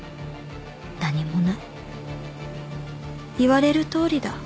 何もない」「言われるとおりだ」